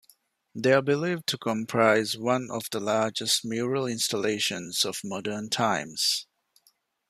They are believed to comprise one of the largest mural installations of modern times.